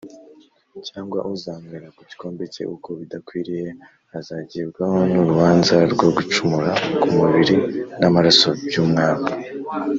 cyangwa uzanywera ku gikombe cye, uko bidakwiriye azagibwaho n'urubanza rwo gucumura ku mubiri n'amaraso by'Umwami.